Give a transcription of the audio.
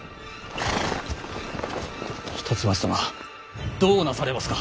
一橋様どうなされますか？